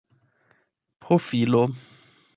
profilo